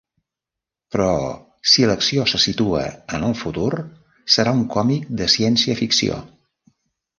Però si l'acció se situa en el futur, serà un còmic de ciència-ficció.